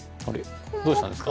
どうしたんですか？